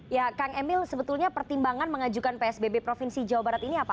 ya kang emil sebetulnya pertimbangan mengajukan psbb provinsi jawa barat ini apa